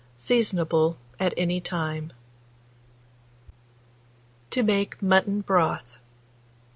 Seasonable at any time. TO MAKE MUTTON BROTH. 1872.